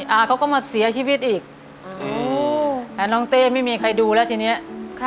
อาเขาก็มาเสียชีวิตอีกแต่น้องเต้ไม่มีใครดูแล้วทีเนี้ยค่ะ